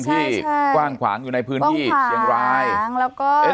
ที่ใช่ใช่กว้างขวางอยู่ในพื้นที่เชียงรายแล้วก็เอ๊ะ